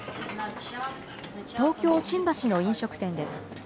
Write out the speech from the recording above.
東京・新橋の飲食店です。